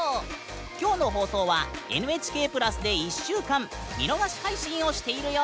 今日の放送は「ＮＨＫプラス」で１週間見逃し配信をしているよ！